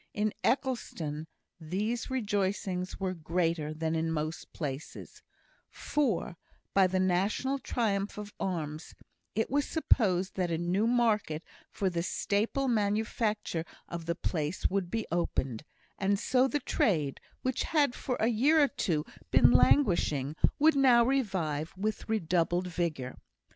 In Eccleston these rejoicings were greater than in most places; for, by the national triumph of arms, it was supposed that a new market for the staple manufacture of the place would be opened; and so the trade, which had for a year or two been languishing, would now revive with redoubled vigour.